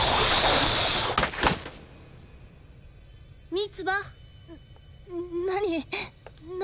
ミツバ何？